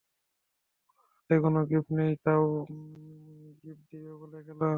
ওনার হাতে কোনো গিফট নেই তাও গিফট দিবে বলে গেল।